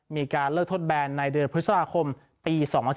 มีการเลิกทดแบนในเดือนพฤษภาคมปี๒๐๑๙